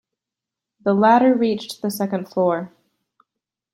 The ladder reached the second floor.